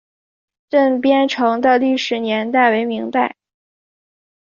镇边城的历史年代为明代。